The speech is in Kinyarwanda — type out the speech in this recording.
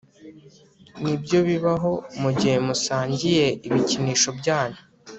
Nibyo bibaho mugihe musangiye ibikinisho byanyu